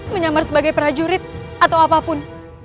menyamar sebagai prajurit atau apapun